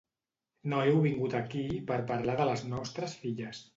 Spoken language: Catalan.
No heu vingut aquí per parlar de les nostres filles.